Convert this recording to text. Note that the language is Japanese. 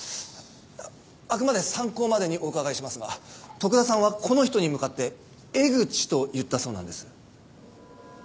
あくまで参考までにお伺いしますが徳田さんはこの人に向かってエグチと言ったそうなんです。